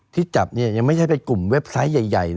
ที่จับยังไม่ใช่เป็นกลุ่มเว็บไซต์ใหญ่